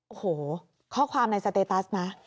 โอ้โหข้อความในสเตตัสนะ